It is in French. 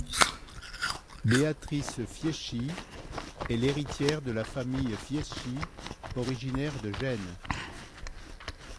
Béatrice Fieschi est l'héritière de la famille Fieschi, originaire de Gênes.